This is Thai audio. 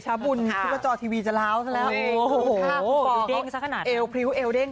อ้าวสงสัยต้องตามดองเทียงทีละมั้ง